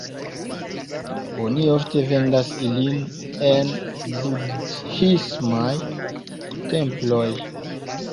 Oni ofte vendas ilin en budhismaj temploj.